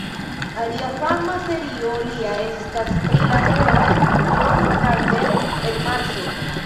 Alia fama serio lia estas pri la heroo John Carter el Marso.